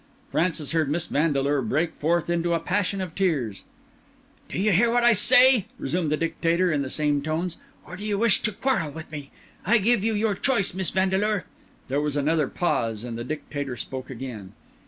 Francis heard Miss Vandeleur break forth into a passion of tears. "Do you hear what I say?" resumed the Dictator, in the same tones. "Or do you wish to quarrel with me? I give you your choice, Miss Vandeleur." There was another pause, and the Dictator spoke again.